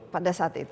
pada saat itu